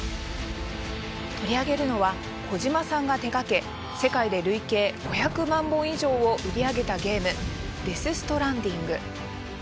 取り上げるのは小島さんが手がけ世界で累計５００万本以上を売り上げたゲーム「ＤＥＡＴＨＳＴＲＡＮＤＩＮＧ」。